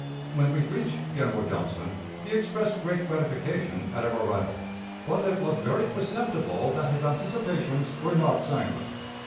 When we reached General Johnston, he expressed great gratification at our arrival, but it was very perceptible that his anticipations were not sanguine.